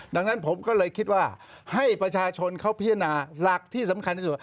ดังนั้นผมก็เลยคิดว่าให้ประชาชนเขาพิจารณาหลักที่สำคัญที่สุด